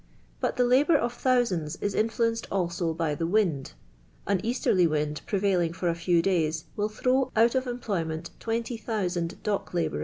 But til" labour of thousands is influenced also by til.; 'ind: an easterly wind prevailing; fi»r a few days will throw out of employment 20,000 dock labourer.